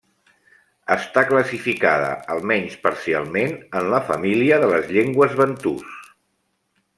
Està classificada, almenys parcialment, en la família de les llengües bantus.